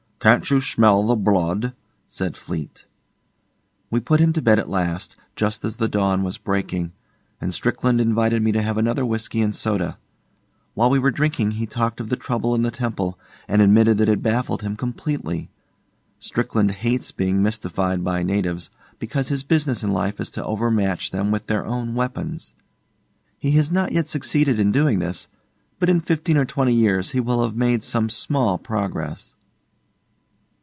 'Can't you smell the blood?' said Fleete. We put him to bed at last, just as the dawn was breaking, and Strickland invited me to have another whisky and soda. While we were drinking he talked of the trouble in the temple, and admitted that it baffled him completely. Strickland hates being mystified by natives, because his business in life is to overmatch them with their own weapons. He has not yet succeeded in doing this, but in fifteen or twenty years he will have made some small progress.